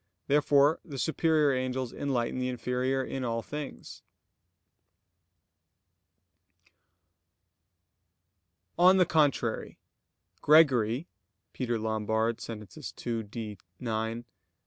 Therefore the superior angels enlighten the inferior in all things. On the contrary, Gregory [*Peter Lombard, Sent. ii, D, ix; Cf.